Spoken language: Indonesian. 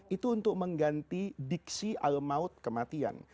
itu untuk mengganti diksi al maut kematian